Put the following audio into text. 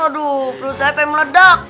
aduh perut saya pengen meledak